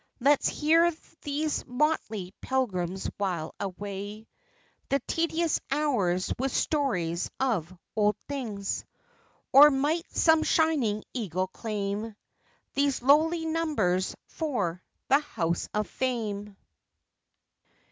Let's hear these motley pilgrims wile away The tedious hours with stories of old things; Or might some shining eagle claim These lowly numbers for the House of Fame!